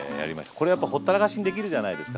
これやっぱほったらかしにできるじゃないですか。